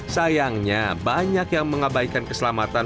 sayangnya banyak yang mengabaikan keselamatan